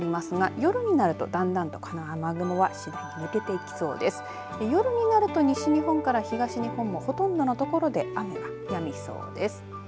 夜になると西日本から東日本もほとんどの所で雨がやみそうです。